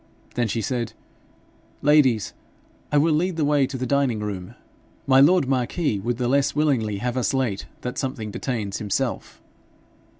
Then she said, 'Ladies, I will lead the way to the dining room. My lord marquis would the less willingly have us late that something detains himself.'